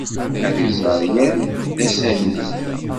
Ad izeṛ yall d asalli.